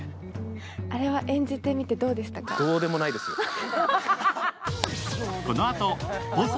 あれは演じてみてどうだったですか？